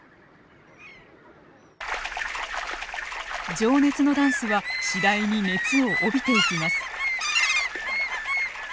情熱のダンスは次第に熱を帯びていきます。